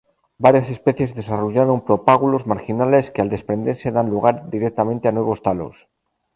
Varias especies desarrollan propágulos marginales que, al desprenderse, dan lugar directamente a nuevos talos.